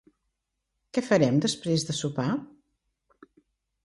Què farem després de sopar?